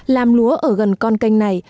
làm lúa ở gần con kênh này